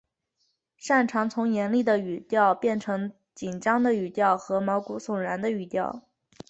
善长从严厉的语调到变成紧张的语调和毛骨悚然的语调。